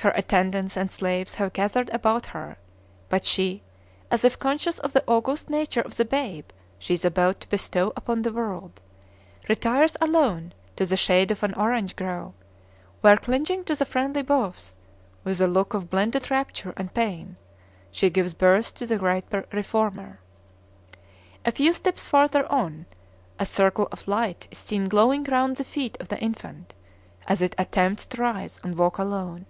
Her attendants and slaves have gathered about her; but she, as if conscious of the august nature of the babe she is about to bestow upon the world, retires alone to the shade of an orange grove, where, clinging to the friendly boughs, with a look of blended rapture and pain, she gives birth to the great reformer. A few steps farther on, a circle of light is seen glowing round the feet of the infant, as it attempts to rise and walk alone.